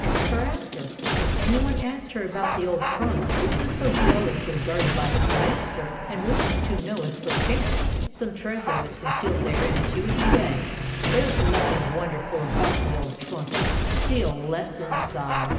And ever after, if anyone asked her about the old trunk, which was so jealously guarded by its master, and wished to know if perchance some treasure were concealed therein, she would say: "'There is nothing wonderful about the Tales of Modern Germany 163 old trunk, and still less inside.